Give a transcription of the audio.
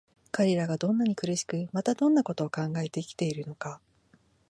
彼等がどんなに苦しく、またどんな事を考えて生きているのか、